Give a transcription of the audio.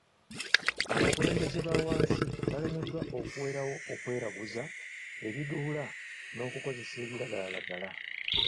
Abakulembeze ba wansi balemereddwa okuwerawo okweraguza, ebiduula, n'okukozesa ebiragalalagala.